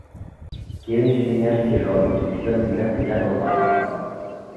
Quiero enseñar que la oposición en África no paga.